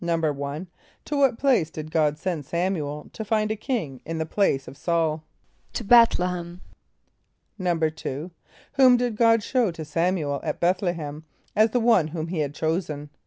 = To what place did God send S[)a]m´u el to find a king in the place of S[a:]ul? =To B[)e]th´=l[)e] h[)e]m.= =2.= Whom did God show to S[)a]m´u el at B[)e]th´=l[)e] h[)e]m, as the one whom he had chosen?